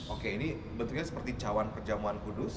oke ini bentuknya seperti cawan perjamuan kudus